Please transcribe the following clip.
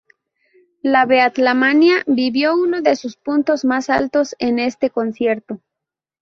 La "Beatlemanía" vivió uno de sus puntos más altos en este concierto.